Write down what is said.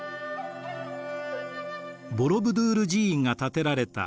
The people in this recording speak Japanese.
ボロブドゥール寺院が建てられた